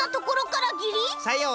さよう。